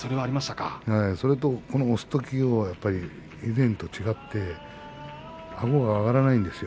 それと、この押すとき以前と違ってあごが上がらないんですよ。